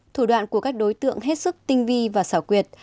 thủ đoạn của các đối tượng hết sức tinh vi và xảo quyệt